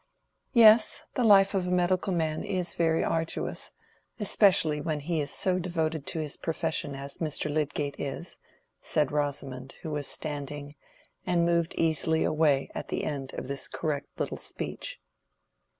"Yes, the life of a medical man is very arduous: especially when he is so devoted to his profession as Mr. Lydgate is," said Rosamond, who was standing, and moved easily away at the end of this correct little speech.